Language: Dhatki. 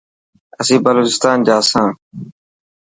اسين بلوچستان جا سان.